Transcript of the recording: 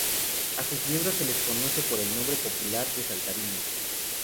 A sus miembros se les conoce por el nombre popular de saltarines.